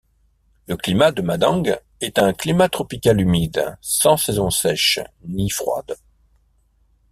Le climat de Madang est un climat tropical humide sans saison sèche ni froide.